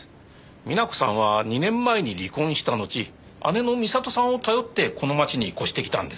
美奈子さんは２年前に離婚したのち姉の美里さんを頼ってこの町に越して来たんです。